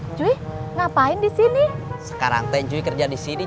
ngapain di sini sekarang tenju kerja di sini